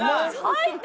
最低！